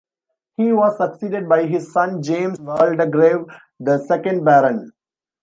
He was succeeded by his son James Waldegrave, the second Baron.